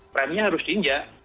frame nya harus diinjak